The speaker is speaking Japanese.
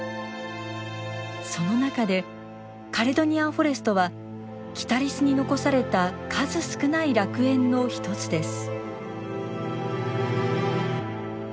その中でカレドニアンフォレストはキタリスに残された数少ない楽園の一つです。